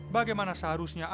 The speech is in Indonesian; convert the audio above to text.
bagaimana seharusnya anaknya